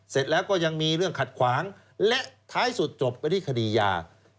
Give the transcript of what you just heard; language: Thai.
เสร็จแล้วก็ยังมีเรื่องขัดขวางและท้ายสุดจบกันที่คดียา